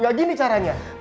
gak gini caranya